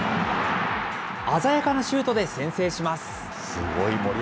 鮮やかなシュートで先制します。